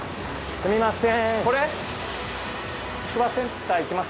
すみません。